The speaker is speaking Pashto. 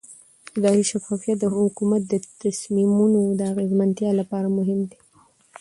اداري شفافیت د حکومت د تصمیمونو د اغیزمنتیا لپاره مهم دی